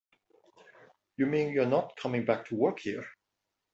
You mean you're not coming back to work here?